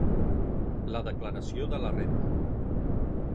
La declaració de la Renda.